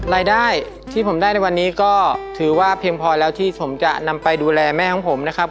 รายได้ที่ผมได้ในวันนี้ก็ถือว่าเพียงพอแล้วที่ผมจะนำไปดูแลแม่ของผมนะครับ